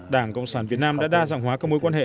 đảng cộng sản việt nam đã đa dạng hóa các mối quan hệ